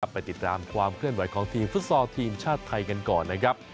ไปติดตามความเคลื่อนไหวของทีมฟุตซอลทีมชาติไทยกันก่อนนะครับ